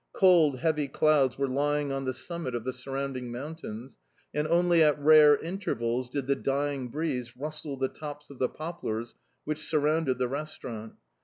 Cold, heavy clouds were lying on the summit of the surrounding mountains, and only at rare intervals did the dying breeze rustle the tops of the poplars which surrounded the restaurant.